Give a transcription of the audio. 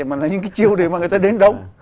mà là những cái chiêu để mà người ta đến đâu